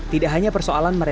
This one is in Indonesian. tidak hanya persoalan membuatnya